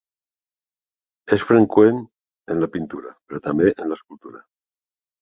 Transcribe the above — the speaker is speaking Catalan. És freqüent en la pintura però també en l'escultura.